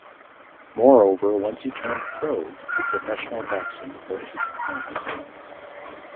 Moreover once he turned pro to professional boxing for eight months.